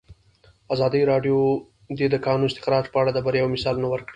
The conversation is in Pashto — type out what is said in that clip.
ازادي راډیو د د کانونو استخراج په اړه د بریاوو مثالونه ورکړي.